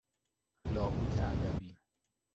لاهوت ادبی